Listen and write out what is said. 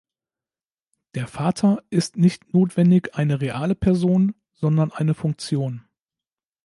Der Vater ist nicht notwendig eine reale Person, sondern eine "Funktion".